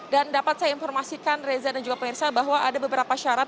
dan dapat saya informasikan reza dan juga pemirsa bahwa ada beberapa syarat